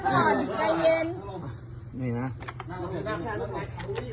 ไม่มีใครทำนี่นะทะเบียน